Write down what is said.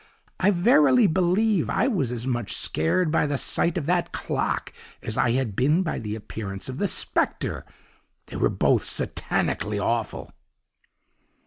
I verily believe I was as much scared by the sight of that clock as I had been by the appearance of the spectre they were both satanically awful.